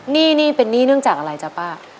หนี้นี่เป็นหนี้เนื่องจากอะไรจ๊ะป้า